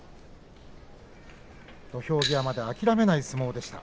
土俵際まで諦めない相撲でした。